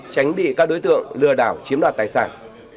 tránh bị các đối tượng lừa đảo chiếm đoạt tài sản